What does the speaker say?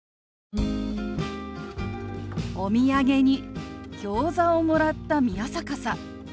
お土産にギョーザをもらった宮坂さん。